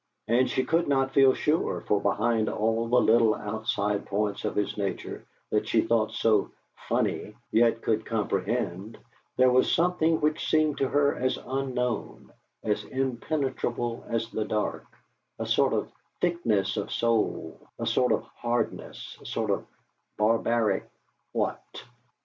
And she could not feel sure, for behind all the little outside points of his nature, that she thought so "funny," yet could comprehend, there was something which seemed to her as unknown, as impenetrable as the dark, a sort of thickness of soul, a sort of hardness, a sort of barbaric what?